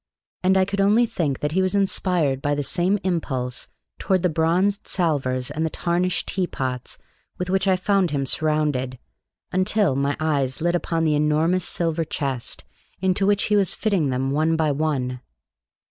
And I could only think that he was inspired by the same impulse toward the bronzed salvers and the tarnished teapots with which I found him surrounded, until my eyes lit upon the enormous silver chest into which he was fitting them one by one.